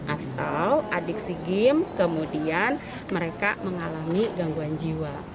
atau adik sigim kemudian mereka mengalami gangguan jiwa